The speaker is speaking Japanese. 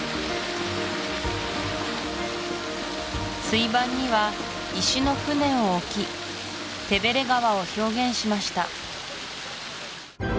水盤には石の船を置きテベレ川を表現しました